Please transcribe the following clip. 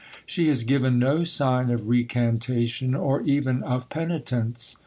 She has given no sign of recantation, or even of penitence.